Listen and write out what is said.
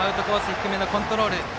低めのコントロール。